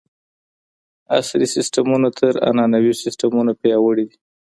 عصري سیستمونه تر عنعنوي سیستمونو پیاوړي دي.